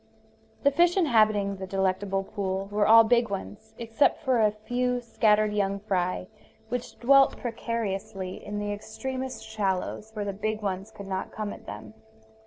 The fish inhabiting the delectable pool were all big ones, except for a few scattered young fry which dwelt precariously in the extremest shallows where the big ones could not come at them.